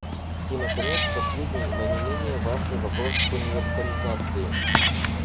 И, наконец, последний, но не менее важный вопрос универсализации.